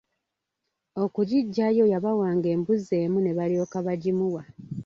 Okugiggyayo yabawanga embuzi emu ne balyoka bagimuwa.